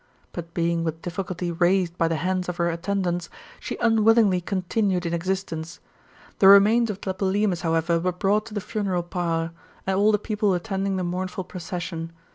But being with difficulty raised hy the hands of her attendants, she unwillingly continued in existence. The remains of Tlepolemus, however, were brought to the funeral pyre, all the people attending the mournful procession.